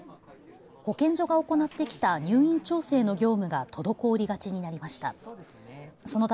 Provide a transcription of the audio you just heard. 保健所が行ってきた入院調整の業務が滞りがちになりました。